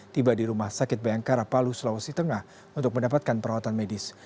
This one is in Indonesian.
tiba di rumah sakit bayangkara palu sulawesi tengah untuk mendapatkan perawatan medis